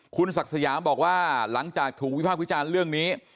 คุณศักดิ์สยามบอกว่าหลังจากถูกวิพากษ์วิจารณ์เรื่องนี้